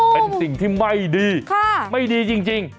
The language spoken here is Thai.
เป็นสิ่งที่ไม่ดีไม่ดีจริง